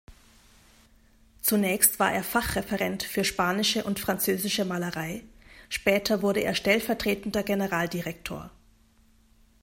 Zunächst war er Fachreferent für spanische und französische Malerei, später wurde er stellvertretender Generaldirektor.